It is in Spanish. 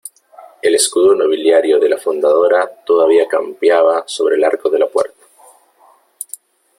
el escudo nobiliario de la fundadora todavía campeaba sobre el arco de la puerta .